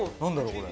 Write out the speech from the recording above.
これ。